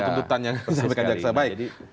tuntutannya sebagai jc